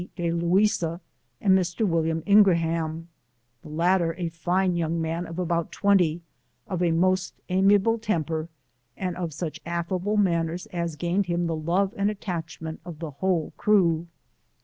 Delouisa and Mr. William Ingraham, the latter a fine young man of about twenty, of a most amiable temper, and of such affable manners, as gained him the love and attachment of the whole crew.